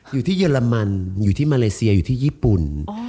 เยอรมันอยู่ที่มาเลเซียอยู่ที่ญี่ปุ่น